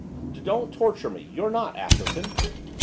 'Don't torture me, you're not. Atherton!